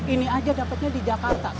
ini aja dapatnya di jakarta